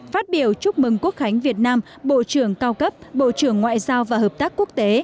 phát biểu chúc mừng quốc khánh việt nam bộ trưởng cao cấp bộ trưởng ngoại giao và hợp tác quốc tế